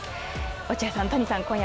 落合さん、谷さん